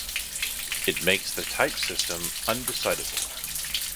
it makes the type system undecidable